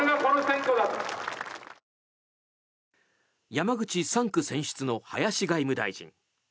山口３区選出の林外務大臣。